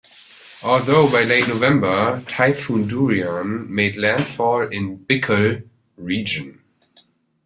Although by late November, Typhoon Durian made landfall in Bicol region.